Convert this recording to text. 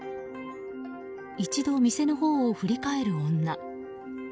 一度、店のほうを振り返る女。